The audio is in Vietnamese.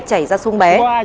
chảy ra sông bé